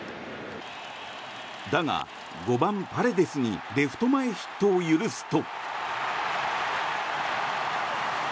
だが、５番、パレデスにレフト前ヒットを許すと。